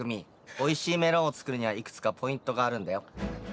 おいしいメロンを作るにはいくつかポイントがあるんだよ。